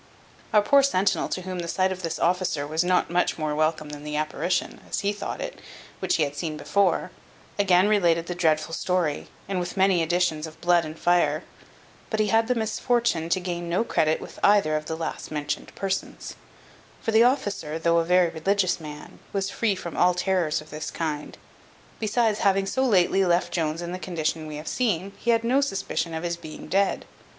Our poor centinel, to whom the sight of this officer was not much more welcome than the apparition, as he thought it, which he had seen before, again related the dreadful story, and with many additions of blood and fire; but he had the misfortune to gain no credit with either of the last mentioned persons: for the officer, though a very religious man, was free from all terrors of this kind; besides, having so lately left Jones in the condition we have seen, he had no suspicion of his being dead.